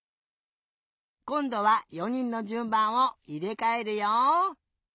こんどは４にんのじゅんばんをいれかえるよ。